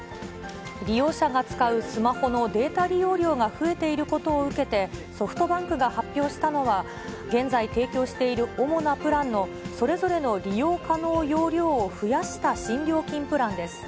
利用者が使うスマホのデータ利用料が増えていることを受けて、ソフトバンクが発表したのは、現在提供している主なプランのそれぞれの利用可能容量を増やした新料金プランです。